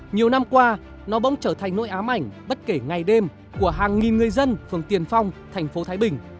nhiều năm qua nó bỗng trở thành nỗi ám ảnh bất kể ngày đêm của hàng nghìn người dân phường tiền phong thành phố thái bình